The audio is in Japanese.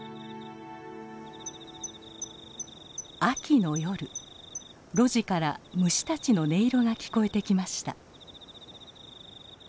秋の夜露地から虫たちの音色が聞こえてきました。